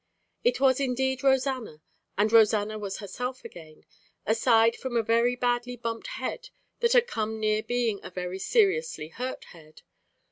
It was indeed Rosanna, and Rosanna was herself again, aside from a very badly bumped head that had come near being a very seriously hurt head.